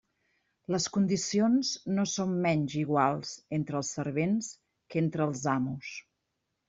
Les condicions no són menys iguals entre els servents que entre els amos.